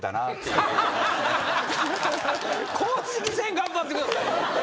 公式戦頑張ってください。